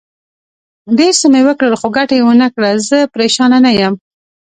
ډېر څه مې وکړل، خو ګټه یې ونه کړه، زه پرېشانه نه یم.